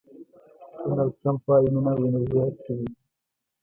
ډونالډ ټرمپ وایي مینه او انرژي هر څه دي.